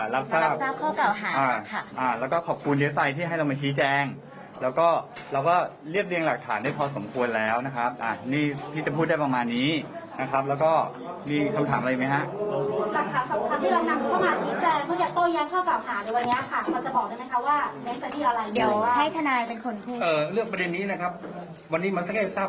และขออนุญาตทั้งสั้นนะครับเพราะว่าสิ่งต้นสิ่งทุกอย่าง